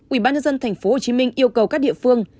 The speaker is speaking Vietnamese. ủy ban nhân dân tp hcm yêu cầu các địa phương